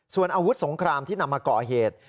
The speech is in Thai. ส่วนอาวุธสงครามที่นำมาก่อเหตุ